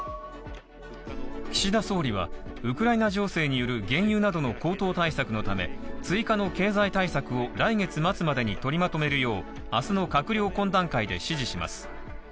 岸田総理はウクライナ情勢による原油などの高騰対策のため追加の経済対策を来月末までにとりまとめるよう、明日の閣僚懇談会で指示します。